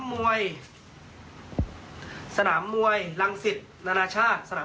โปรเมิตเตอร์ไอ้จัดแล้ว